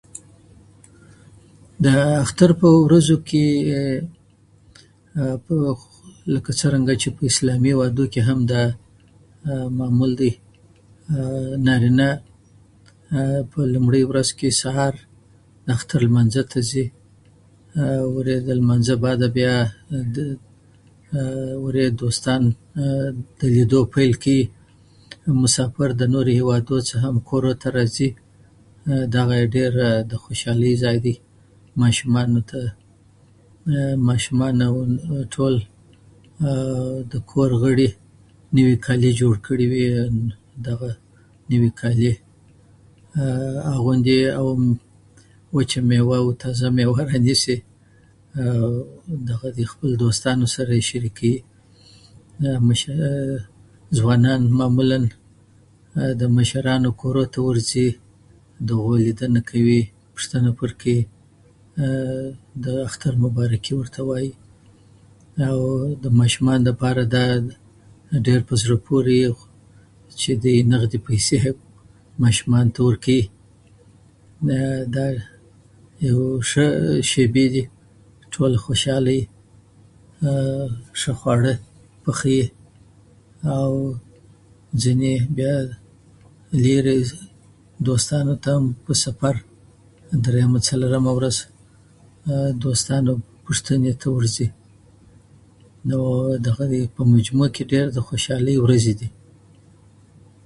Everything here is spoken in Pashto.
د اختر په ورځو کې، څنګه چې په اسلامي هېوادو کې هم دا معمول دی، نارینه په لومړۍ ورځ کې د اختر لمانځه ته ځي، بعد له لمانځه د دوستانو له لیدلو پیل کوي او مسافر له نورو هېوادو هم کورو ته راځي. دغه د ډېرې خوشالۍ ځای دی. ماشومانو او د کور ټولو غړو نوي کالي جوړ کړي وي او نوي کالي اغوندي، وچه مېوه او تازه مېوه رانیسي او خپلو دوستانو سره یې شریکوي او ځوانان معمولاً د مشرانو کورو ته ورځي، د هغوی لیدنه کوي، پوښتنه یې کوي، اختر مبارکي ورکوي او د ماشومانو لپاره دا ډېر په زړه پورې وي، هغوی ته نغدې پیسې ورکوي او دا ښې شېبې وي، ټول خوشاله وي او ښه خواړه پخوي او ځینې لرې دوستانو ته په سفر، په درېیمه او څلورمه ورځ د دوستانو پوښتنې ته ورځي او په مجموع کې د ډېرې خوشالۍ ورځې دي.